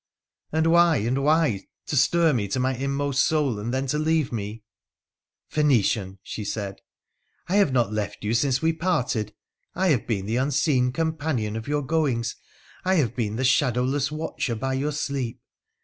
' And why, and why — to stir me to my inmost soul, and then to leave me ?'' Phoenician,' she said, ' I have not left you since we parted. I have been the unseen companion of your goings — I have been the shadowless watcher by your sleep.